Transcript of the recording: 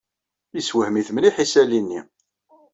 Yessewhem-it mliḥ yisali-nni.